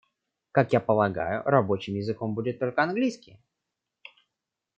Как я полагаю, рабочим языком будет только английский.